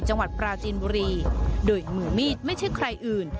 จังหวัดปราจีนบุรีโดยมือมีดไม่ใช่ใครอื่น